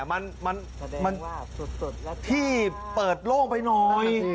มันที่เปิดโล่งไปหน่อย